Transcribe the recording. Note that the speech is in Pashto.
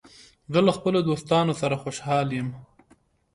زه له خپلو دوستانو سره خوشحال یم.